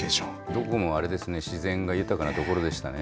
どこもあれですね、自然が豊かな所でしたね。